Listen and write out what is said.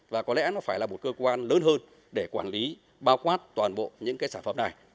và có lẽ nó phải là một cơ quan lớn hơn để quản lý bao quát toàn bộ những cái sản phẩm này